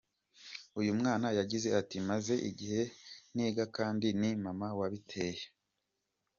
Uyu mwana yagize ati “Maze igihe ntiga kandi ni mama wabiteye.